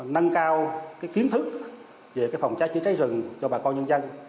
nâng cao kiến thức về phòng cháy chữa cháy rừng cho bà con nhân dân